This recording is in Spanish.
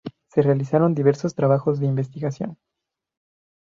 Se realizaron diversos trabajos de investigación.